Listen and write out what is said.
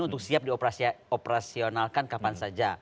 untuk siap di operasionalkan kapan saja